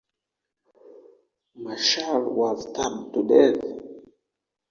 Marshal, was stabbed to death.